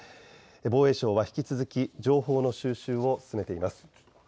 防衛省は引き続き情報の収集を進めています。